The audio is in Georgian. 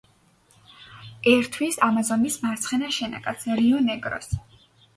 ერთვის ამაზონის მარცხენა შენაკადს რიო-ნეგროს.